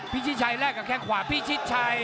ชิดชัยแลกกับแข้งขวาพี่ชิดชัย